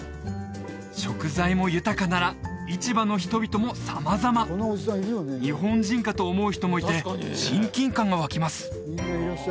食材も豊かなら市場の人々も様々日本人かと思う人もいて親近感がわきます